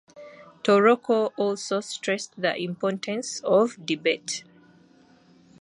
Tokoro also stressed the importance of debate.